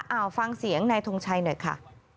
เอาฟังเสียงนายทงชัยหน่อยค่ะ